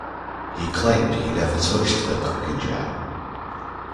He claimed he never touched the cookie jar.